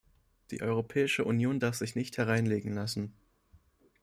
Die Europäische Union darf sich nicht hereinlegen lassen.